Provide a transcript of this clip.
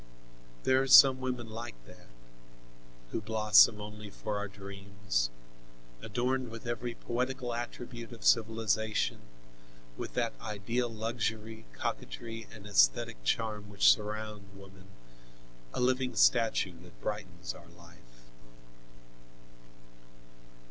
There are some women like that, who blossom only for our dreams, adorned with every poetical attribute of civilization, with that ideal luxury, coquetry and esthetic charm which surround woman, a living statue that brightens our life.